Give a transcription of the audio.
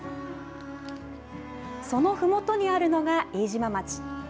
そのふもとにあるのが飯島町。